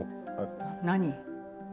何？